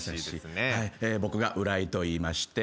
僕が浦井といいまして。